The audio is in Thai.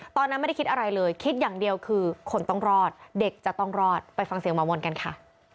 ตอนนั้นไม่ได้คิดอะไรเลยคิดอย่างเดียวคือคนต้องรอดเด็กจะต้องรอดไปฟังเสียงหมอมนกันค่ะ